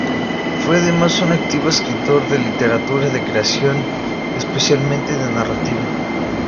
Fue además un activo escritor de literatura de creación, especialmente de narrativa.